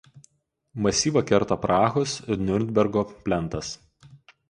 Masyvą kerta Prahos–Niurnbergo plentas.